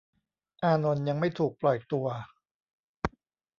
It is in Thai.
อานนท์ยังไม่ถูกปล่อยตัว